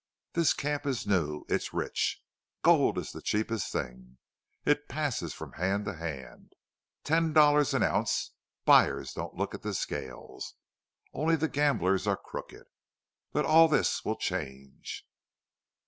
This camp is new. It's rich. Gold is the cheapest thing. It passes from hand to hand. Ten dollars an ounce. Buyers don't look at the scales. Only the gamblers are crooked. But all this will change."